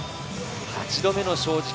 ８度目の正直。